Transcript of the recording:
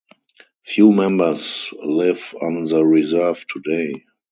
Few members live on the reserve today.